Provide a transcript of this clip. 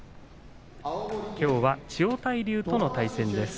きょうは千代大龍との対戦です。